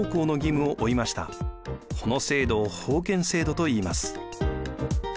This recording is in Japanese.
この制度を封建制度といいます。